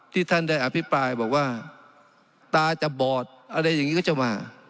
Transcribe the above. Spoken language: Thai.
ท่านได้อภิปรายบอกว่าตาจะบอดอะไรอย่างนี้ก็จะมา